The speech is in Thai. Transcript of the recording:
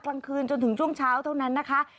กลางคืนจนถึงช่วงเช้าเท่านั้นนะคะ